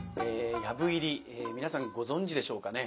藪入り皆さんご存じでしょうかね。